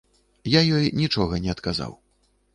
Я ёй нічога не адказаў.